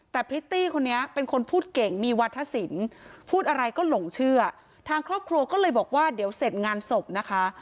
แต่พริตตี้คนนี้เป็นคนพูดเก่งมีวัฒนศิลป์พูดอะไรก็หลงเชื่อทางครอบครัวก็เลยบอกว่าเดี๋ยวเสร็จงานศพนะคะ